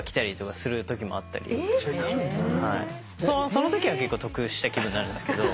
そのときは結構得した気分になるんですけど。